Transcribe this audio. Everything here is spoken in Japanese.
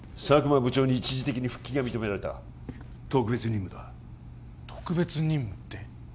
佐久間部長に一時的に復帰が認められた特別任務だ特別任務って？